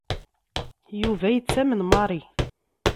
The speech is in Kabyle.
Yuba yettamen Mary.